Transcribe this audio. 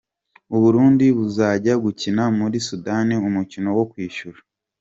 U Burundi buzajya gukina muri Sudani umukino wo kwishyura.